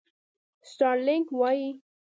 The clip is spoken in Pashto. سټارلېنک وایي.